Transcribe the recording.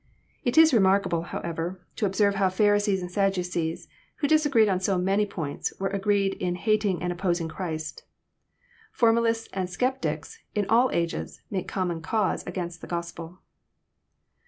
It is remarkable, however, to observe how Pharisees and Sadducees, who disagreed on so many points, were agreed in hating and opposing Christ. Formalists and sceptics, in all ages, make common cause against the £rospel.